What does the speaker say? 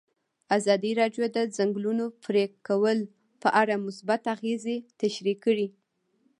ازادي راډیو د د ځنګلونو پرېکول په اړه مثبت اغېزې تشریح کړي.